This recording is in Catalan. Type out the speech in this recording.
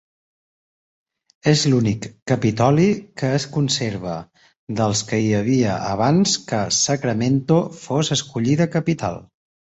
És l'únic capitoli que es conserva dels que hi havia abans que Sacramento fos escollida capital.